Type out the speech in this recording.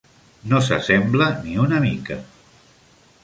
No s'assembla ni una mica.